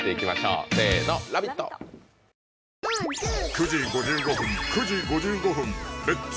９時５５分９時５５分「レッツ！